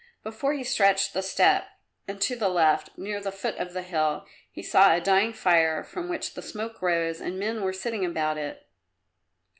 Before him stretched the steppe and to the left, near the foot of a hill, he saw a dying fire from which the smoke rose and men were sitting about it.